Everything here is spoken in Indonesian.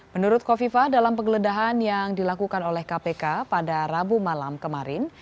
menurut kofifah dalam penggeledahan yang dilakukan oleh kpk pada rabu malam kemarin